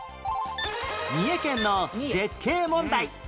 三重県の絶景問題